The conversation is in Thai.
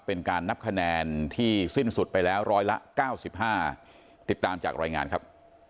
เป็นการนับคะแนนที่สิ้นสุดไปแล้วร้อยละ๙๕ติดตามจากรายงานครับ